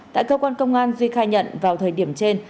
tại cơ quan công an duy khai nhận vào thời điểm trên